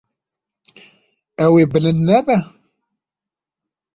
Ew ê bilind nebe.